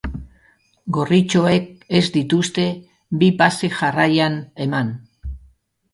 Gorritxoek ez dituzte bi pase jarraian eman.